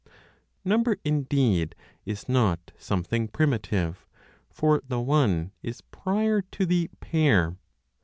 Number, indeed, is not something primitive; for the One is prior to the "pair."